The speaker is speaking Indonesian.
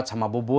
tidak ada apa apa